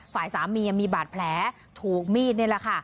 ฝ่ายสามียังมีบาดแผลถูกมีดนี่แหละค่ะ